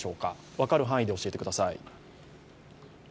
分かる範囲で教えてください。